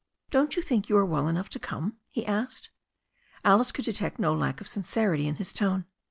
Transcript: "Don't you think you are well enough to come?" he asked. Alice could detect no lack of sincerity in his tone.